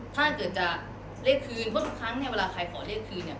ถ้าเกิดจะได้คืนเพราะทุกครั้งเนี่ยเวลาใครขอเลขคืนเนี่ย